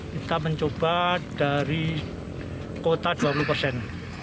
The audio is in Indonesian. kita mencoba dari kota dua puluh persen